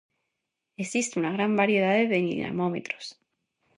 Existe unha gran variedade de dinamómetros.